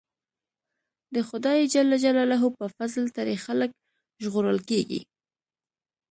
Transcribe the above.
د خدای ج په فضل ترې خلک ژغورل کېږي.